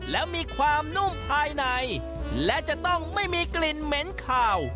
และมีความนุ่มภายในและจะต้องไม่มีกลิ่นเหม็นขาว